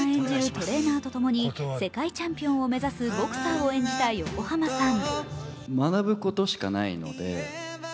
トレーナーとともに世界チャンピオンを目指すボクサーを演じた横浜さん。